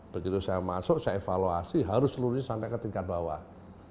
begitu saya masuk saya evaluasi harus seluruhnya sampai ke tingkat bawah